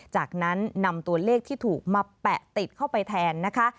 จากนั้นนำตัวเลขที่ถูกมาแปะติดเข้าไปแทนนะคะ